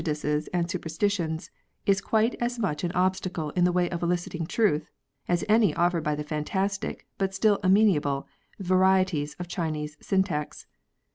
85 dices and superstitions, is quite as much an obstacle in the way of eliciting truth as any oflfered by the fan tastic, but still amenaljle, varieties of Chinese syntax.